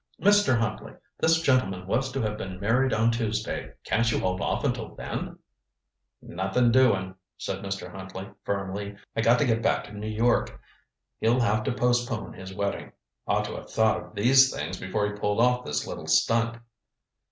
Mr. Huntley, this gentleman was to have been married on Tuesday. Can't you hold off until then?" "Nothing doing," said Mr. Huntley firmly. "I got to get back to New York. He'll have to postpone his wedding. Ought to have thought of these things before he pulled off his little stunt."